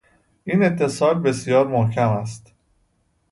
این اتصال بسیار محکم است